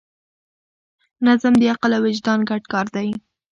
نظم د عقل او وجدان ګډ کار دی.